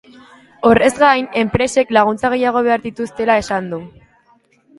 Horrez gain, enpresek laguntza gehiago behar dituztela esan du.